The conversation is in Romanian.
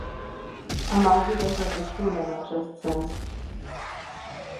Am auzit deja destule în acest sens.